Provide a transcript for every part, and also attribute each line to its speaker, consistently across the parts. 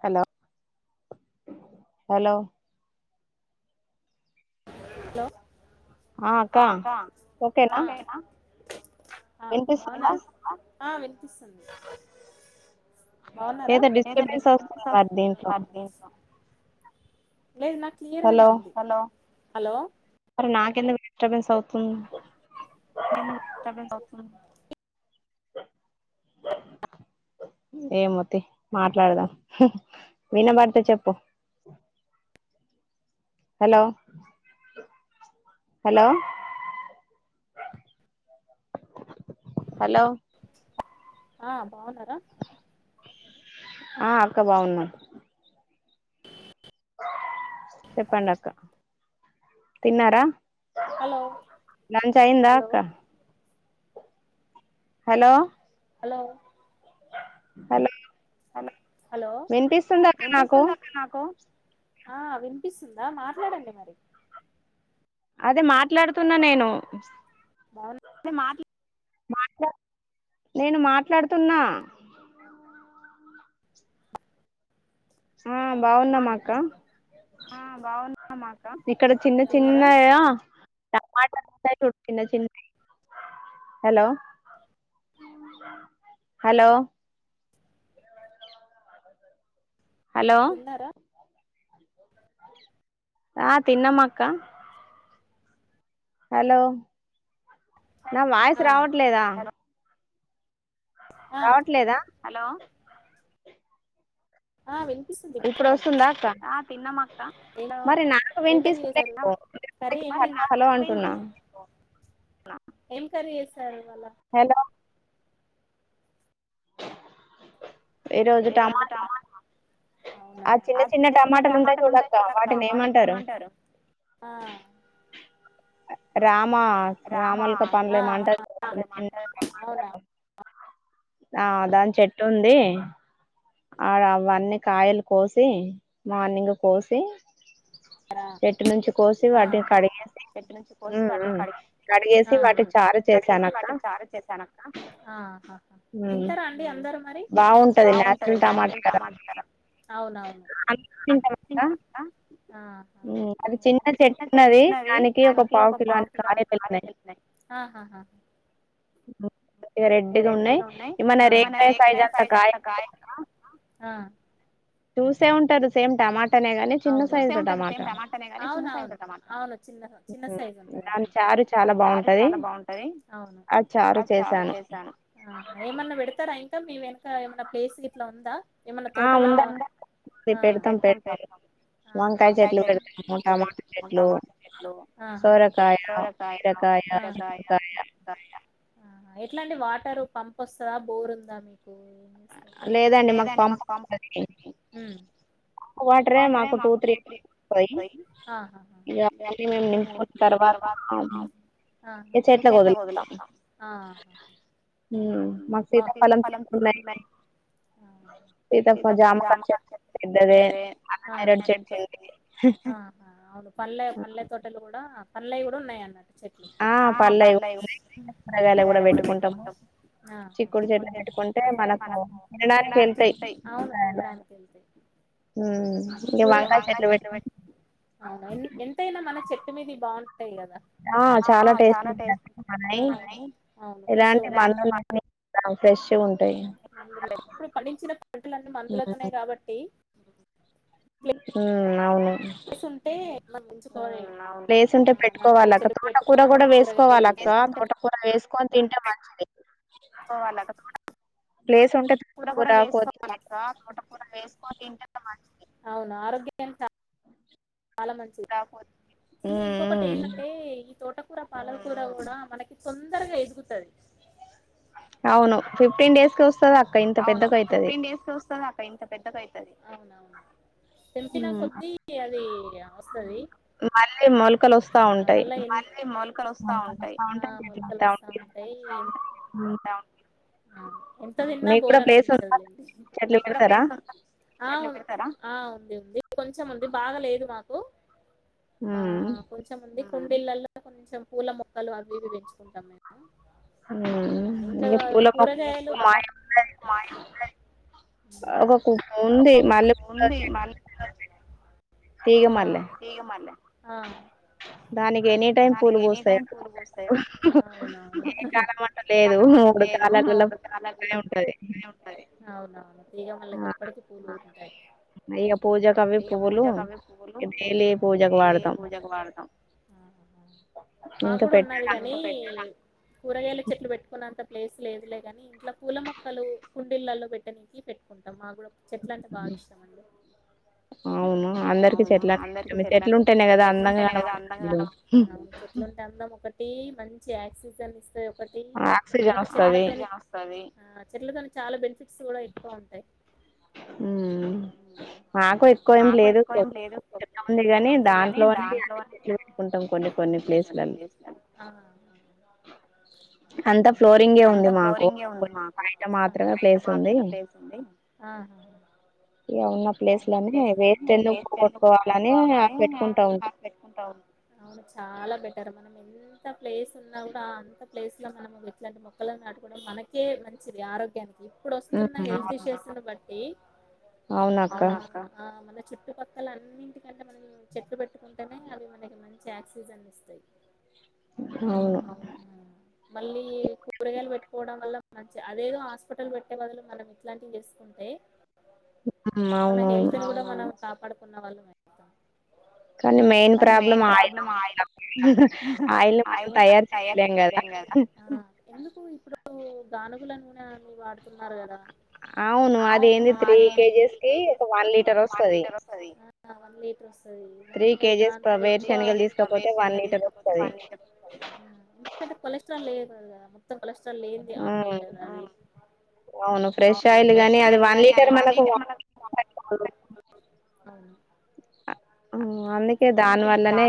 Speaker 1: Hello hello
Speaker 2: hello ఆ అక్క చేయనా ఆ బాగునా ఆ వినిపిస్తుంది. బాగున్నారా ఏదో డిస్టబెన్స్ వస్తుంది ఇవాళ ప్లేస్ లో లేదు నాకు క్లియర్ గానే ఉంది హలో హాలో
Speaker 1: నాకెందుకు డిస్టర్బెన్స్ అవుతుంది.
Speaker 2: నాకు ఎందుకు డిస్టబెన్స్ అవుతుంది,
Speaker 1: [unintelligible] ఏమోతి మాట్లాడదాం వినబడితే చెప్పు, హలో హలో హలో
Speaker 2: ఆ బాగున్నారా,
Speaker 1: ఆ అక్క బాగున్నాం,
Speaker 2: [inaudible]
Speaker 1: చెప్పండి అక్క తిన్నరా లంచ్ ఐందా అక్క హలో
Speaker 2: హలో
Speaker 1: అల్
Speaker 2: హల హలో వినిపిస్తుంది అక్క నాకు ఆ వినిపిస్తుందా మాట్లాడండి మరి
Speaker 1: అదె మాట్లాడ్తున్న నేను
Speaker 2: బా మాట్
Speaker 1: మాట్లా నేను మాట్లాడ్తున్నా ఆ బాగున్నామక్క ఇక్కడ చిన్న చిన్నాయా టమాట చిన్న చిన్న హలో హలో
Speaker 2: తిన్నరా
Speaker 1: ఆ తిన్నమక్క హలో నా వాయిస్ రావట్లేద
Speaker 2: అ హలో అ వినిపిస్తుంది మాట్లాడండి ఆ తిన్నమక్క ఏం కర్రీ చేసరు కర్రీ ఏమ్ నానిపి ఏం కర్రీ చేసారు
Speaker 1: హెలో ఈరోజు టమాట
Speaker 2: ఔనా ఆ చిన్న చిన్న టమాటలు ఉంటాయ్ చూడక్క వాటిని ఏమంటరు ఆ
Speaker 1: రామా రామల్కా పడ్లేమంట చిన్న న్న టమాటలు ఆ దాని చెట్టుందీ ఆడ అవన్నీ కాయలు కోసి మార్నింగ్ కోసి చెట్టు నుంచి కోసి వాటి కడిగి
Speaker 2: చెట్ట నుంచి కోసి వాటిని కడిగ్ ఆ కడిగేసి వాటిని చారు చేసానక్కా ఆహా తింటారా అండి అందరు మరి బాగుంటది నాన్చురల్ టమాటే కద ఔనౌను ఆ అది చిన్న చెట్లవి దానికి ఒక పావు కి లో అన్ని ఎళ్తున్నాయి ఆహాహా
Speaker 1: [inaudible] చిగ రెడ్ గా ఉన్నాయ్ ఈమన రేగాయ సైజ్ అంత కాయ
Speaker 2: ఆ
Speaker 1: చూసే ఉంటరు సేమ్ టమా
Speaker 2: ఔనౌను సేంట సేమ్ టమాటన్ టమాట ఔను చిన్న చిన్న సైజ్ ఉంటదా ఔను అ చారు చాలా బాంటది ఔను ఆ చారు చేశాను ఏమన్నా పెడ్తరా ఇం ఇంకా మీ వెన్క ఏమైనా ప్లేస్ గిట్ల ఉందా ఏమన్న తోట లాగా ఆ ఉందా పెడ్తం పెడ్తం
Speaker 1: వంకాయ చెట్లు పెడ్తం, టమాట చెట్లు, సోరకాయా, బిరకా కాయ, క్కుకాయ
Speaker 2: కాయ ఎట్లండి వాటర్ పంప్ ఒస్తద బోర్ందా మీకు లేదండి మాకు పంప్ న్నది
Speaker 1: రే మాకు టూ త్రీ
Speaker 2: మెం నింపు తర్వాత ఆ గ చెట్లకుఒదులుతం ఆ
Speaker 1: ఉమ్ మాకు సీత ఫలం చెట్లు ఉన్నాయి ఇంకా జామకాయ చెట్టు పెద్దదే
Speaker 2: నేరేడు చెట్టు ఉంది పన్లే పండ్ల తోటలు కూడా పండ్లవి కూడా ఉన్నాయి అన్నట్టు
Speaker 1: ఆ పండ్లవి కూరగాయలు కూడా కూరగాయలు కూడా పెట్టుకుంటాము చిక్కుడు చెట్లు పెట్టుకుంటే మనకు తినడానికి వెళ్తాయి చిక్కుడు కాయలు ఉమ్
Speaker 2: ఉమ్ కూర వంకాయ చెట్లు పెట్టుకుంటే అవున ఎంతైనా మన చెట్టు మీది బాగుంటు బాగుంటాయి, కదా చాలా టెస్ట్ ఉంటాయి, మనయి ఫ్రెష్ గా ఉంటాయి ఎలాంటి మందులు
Speaker 1: ఆ ఫ్రెష్ గా ఉం
Speaker 2: మందులే ఇప్పుడు పండించిన పంటలన్నీ మందులతోనే కాబట్టి
Speaker 1: ఉమ్ అవును
Speaker 2: ప్లేస్ ఉంటే పెంచుకోచ్చు అనిపిస్తది అవును అందులో నాలుగు చెట్లు పెట్టుకున్నా కూరగాయలు ఏళ్తాయి
Speaker 1: ఇక తోటకూర వేసుకొని తింటే మంచిది
Speaker 2: పోవాలట తోటక్ కూర కూడా వేసుకోవాలి అక్క తోట కూర వేసుకొని తింటే మంచిది అవున ఆరోగ్యనికి చాలా మంచిది కాకపోతే ఇంకొకటి ఏంటంటే ఈ తోటకూర తోటకూర పాలకూర కూడా మనకి తొందరగా అరుగుతది
Speaker 1: అవును ఫిఫ్టీన్ డేస్ కె వస్తాది అక్క
Speaker 2: అవును ఫిఫ్టీన్ డేస్ కె వస్తాది అక్క ఇంత పెద్దగా అయితది అవునవును తెంపిన కొద్దీ అది వస్తాది ఆ మళ్ళి ఇలా మొలకలు వస్తా ఉంటాయి ఆ మొలకలు వస్తా [unintelligible]
Speaker 1: ఉమ్
Speaker 2: ఎంత తిన్నా బోర్ అనిపించదు లేండి మేం కూడా ఆ ఆ ఉంది ఉంది కొంచెంముంది బాగా లేదు మాకు ఆ కొంచంముంది కుండిళ్లల్లో కొంచెం పూల మొక్కలు మొక్కలు అవి ఇవి పెంచుకుంటాం మేము ఆ ఇంకా కూరగాయలు
Speaker 1: ఒక కుండి ఉంది మల్లెపూల చెట్టు
Speaker 2: ఆ తీగమల్లె ఆ
Speaker 1: దానికి ఎనీ టైమ్ పూలు పోస్తాయి అక్కడ ఏ కాలం అంట లేదు మూడు కాలాల
Speaker 2: లా అవునవును తీగ మళ్ళకి ఇప్పటికి పూలు ఉంటాయి అయ్యా పూజకు అవే పూలు మలీ పూజకు వాడతాం
Speaker 1: [inaudible]
Speaker 2: మాకు కూడా ఉన్నది కానీ కూరగాయలు చెట్లు పెట్టుకున్నంత అంత ప్లేస్ లేదులే గాని ఇంట్లో పూల మొక్కలు కుండీలలో పెట్టనీకి పెట్టుకుంటాం మా కూడా చెట్లు అంటే బాగా ఇష్టామండి
Speaker 1: అవును అందరికి చెట్ల అనే చెట్లు ఉంటానేయి కదా అందంగా కనబడుతద్ది
Speaker 2: చెట్లుంటే ఒక అందం ఒకటి మంచి ఆక్సిజన్ ఇస్తే ఒకటి మనకు చెట్ల చెట్లతో చాలా బెనిఫిట్ స్ కూడా ఎక్కువ ఉంటాయి
Speaker 1: నాకు ఎక్కువ ఏం లేదు చెట్ ఉంది గాని దాంట్లోనే అ చెట్లు పెట్టుకుంటాం
Speaker 2: కొంత కొండ కొ చేస్త
Speaker 1: [inaudible] అంతా ఫ్లోరింగే ఉంది మాకు బయట మాత్రమే ప్లేస్ ఉంది
Speaker 2: ఆహా ఉన్న ప్లేస్ లోని వేస్ట్ ఎందుకని పెట్టుకుంటా అవును చాలా బెటర్ మనకి ప్లేస్ ఉన్నా కూడా అంత ప్లేస్ లో మనము ఇట్లాంటి మొక్కలను నాటుకోవడం మనకే మంచిది ఆరోగ్యానికి ఇప్పుడు వస్తున్న హెల్త్ ఇష్యూస్ బట్టి చుట్టుపక్కల అన్నింటికంటే మనం చెట్లు పెట్టుకుంటేనే అవి మనకి మంచి ఆక్సిజన్నీ ఇస్తాయి
Speaker 1: అవును
Speaker 2: మళ్ళీ కూరగాయలు పెట్టుకోవడం వల్ల మంచి అదేదో హాస్పిటల్ పెట్టే బదులు మనం ఇట్లాంటివి చేసుకుంటే మన హెల్త్ కూడా మనం కాపాడుకున్న వాళ్ళం వెతాం
Speaker 1: కానీ main problem
Speaker 2: problem oil oil మనం తయారు చేయలేం కదా ఎందుకు ఇప్పుడు గానుగులలను అీ వాడుతున్నారు కదా
Speaker 1: అవును అది ఏంది త్రీ కేజీస్ కి ఒక వన్ లీటర్ వస్తుంది
Speaker 2: వన్ లీటర్ వా
Speaker 1: త్రీ కేజెస్ ప్రవేర్
Speaker 2: గ తీసుకోకపోతే కొలెస్ట్రాల్ లేదు కదా మొత్తం కొలెస్ట్రాల్ లేంది ఆల్ కద
Speaker 1: అవును ఫ్రెష్ ఆయిల్ గానీ అది వన్ లీటర్ మనకు
Speaker 2: అవును
Speaker 1: అందుకే దాని వల్లనే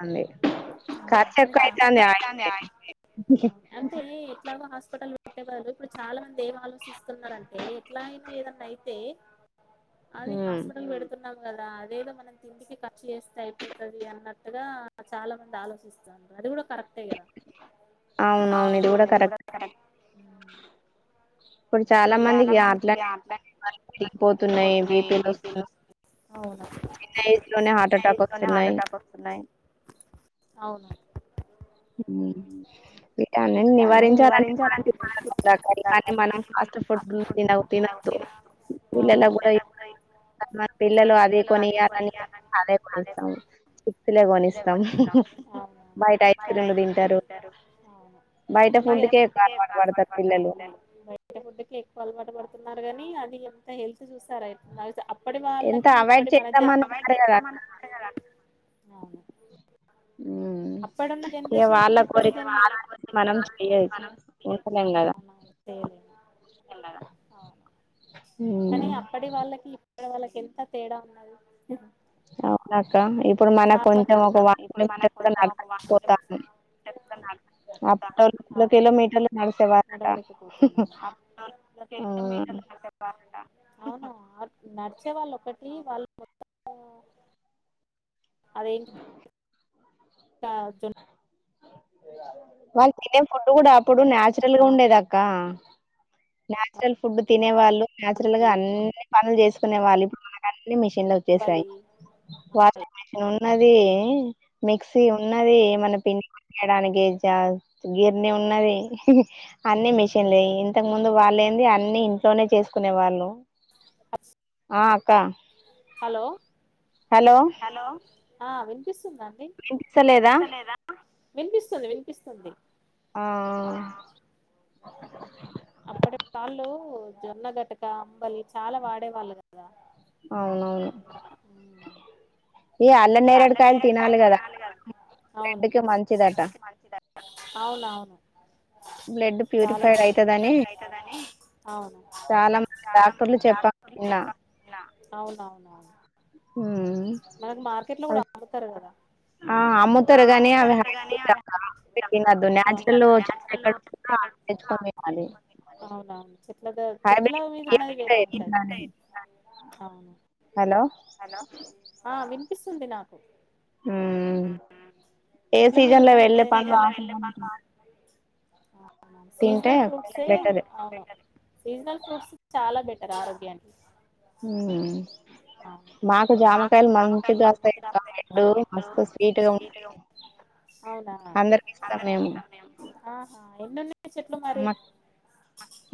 Speaker 1: అవుంది ఖర్చు ఎక్కువ అయితుంది ఆయితే
Speaker 2: అంటే ఎట్లాగో హస్పిటల్ కొట్టేవళ్రారు ఇప్పుడు చాలా మంది ఏం ఆలోచిస్తున్నారంటే ఎట్లా అయినా ఏదన్నా అయితే అదే హాస్పిటల్ పెడుతున్నాం కదా అది లేద మనం తిండికి ఖర్చు చేస్తే అయిపోతుది అన్నట్టుగా చాలా మంది ఆలోచిస్తన్నారు అది కూడా కరెక్ట్ చెయ్యాల్
Speaker 1: అవునవును ఇది కూడా కరెక్ట్ ఇప్పుడు చాలా మందికి అట్లా పెరిగిపోతున్నాయి బీపిలు సుగర్లు చిన్న ఏజ్లోనే హార్ట్ అటాక్ వస్తున్నాయి
Speaker 2: అవును
Speaker 1: వీటన్నిటిని నివారించాలాంటే మా చెస్తుకా కానీ మనం ఫుడ్ తినొద్దు పిల్లలకు కూడా కానీ మన పిల్లలు అది కొనియాలని అదే కొనిస్తాం చిప్స్లే కొనిస్తాం బయట
Speaker 2: బయటయితే బలే తింటారు బయటి ఫుడ్ కే ఎక్కువ అలవాటు పడుతారు ఫుడ్కి కు అలవాటు పడుతున్నారు గాని అది ఎంత హెల్త్ చూసార అయి అప్పటి వాళ్ళకి ఇప్పటి మనా క
Speaker 1: హమ్ ఇక వాళ్ళ కోరిక కాదు మనం చెయచ్చు ఉండలేం కదా
Speaker 2: కానీ అప్పటి వాళ్ళకి ఇక్కడ వాళ్ళకి ఎంత తేడా ఉన్నది
Speaker 1: అవునక్క ఇప్పుడు మన కొంచెం ఒక వన్ కిలోమీటర్ కూడా నడవ
Speaker 2: [unintelligible] అవును నడవలేకపోతున్నాను కిలోమీటర్ల అవున అబ్బా అవునా నడిచే వాళ్ళు ఒకక్కటి వాళ్ళు మొత్తం అదేంటి కావచ్చు
Speaker 1: వాళ్ తినే ఫుడ్ గుడా అప్పుడు న్యాచురల్ గా ఉండేది అక్క న్యాచ్రల్ ఫుడ్ తినే వాళ్ళు న్యాచ్రల్ గా అన్ని పనుల్ జేస్ కునేవాళ్ళు ఇప్పుడు మనక్ అన్ని మిషన్లు ఒచ్చేసాయి వాషింగ్ మిషన్ ఉన్నది మిక్సీ ఉన్నది మన పిండి తినడానికి జార్ గిన్ని ఉన్నది అన్ని మిషన్లే ఇంతక్ ముందు వాళ్ లేంది అన్ని ఇంట్లోనే చేసుకునే వాళ్ళు ఆ అక్క
Speaker 2: హలో
Speaker 1: హలో
Speaker 2: ఆ వినిపిస్తుంద అండి వినిపిస్తుంది వినిపిస్తుంది
Speaker 1: ఆ
Speaker 2: అప్పటి తాళ్ళు జొన్నగటక అంబలి చాలా వాడే వాళ్ళు గదా
Speaker 1: అవునవును
Speaker 2: ఈ అల్ల నెరెడ్కాయ్ల్ తినాలి గదా హెల్త్ కి మంచి దంట అవున్ అవును
Speaker 1: బ్లడ్ ప్యూరిఫైడ్ అయితదని
Speaker 2: రైతదని చాలమ్ డాక్టర్లు చప్ప నా అవునవునవును మనకు మార్కెట్ లో గుడా అమ్ముతరు గదా
Speaker 1: ఆ అమ్ముతరు గనీ అవి హ్య [unintelligible] అక్కా టి తినద్దు న్యాచ్రల్లో చానా ఎక్కడ ఉంటుందో తెచ్చుకొన్ తినాలి
Speaker 2: అవునా చెట్ల దాడ్ చెట్ల మీద్ ఉన్నది వేరే ఉంటది అవును హలో ఆ వినిపిస్తుంది నాకు చెట్ల మీద్ ఉన్నది [unintelligible] సీజ్నల్ ఫ్రూట్స్ ఏ అవును సీజ్నల్ ఫ్రూట్స్ చాలా బెట్ టర్ ఆరోగ్యానికి
Speaker 1: ఉ
Speaker 2: ఆ
Speaker 1: మాకు జామకాయలు మంచిగ్ గాస్తయ్ [unintelligible] మెండు మస్తు స్వీట్ గా ఉంటాయి
Speaker 2: అవునా ఆహా ఎన్నున్నాయి చెట్లు మరి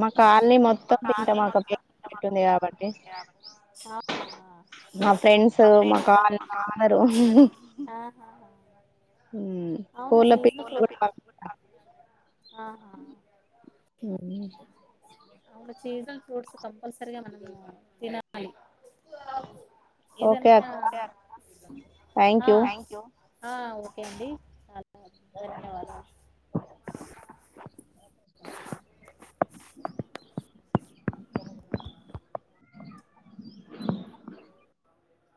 Speaker 1: మా కాల్ని మొత్తం తింటాం మాకు [inaudible] ఉన్నటు ఉంది కాబట్టి
Speaker 2: మా ఫ్రెండ్స్ మా కాల్నీ మొత్తం
Speaker 1: ఉమ్ కోళ్ల పిల్లులు గుడ్ పమ్పిత్తం ఊ
Speaker 2: అవును సీజ్నల్ ఫ్రూట్స్ కంపల్సరీగా మనం తినాలి ఏదన్నా ఆ ఆ ఓకే అండి చాలా ధన్యవాదాలు